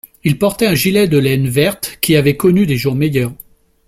Il portait un gilet de laine verte, qui avait connu des jours meilleurs